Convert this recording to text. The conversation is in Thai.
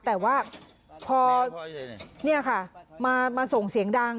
แต่ว่าพอนี่ค่ะมาส่งเสียงดัง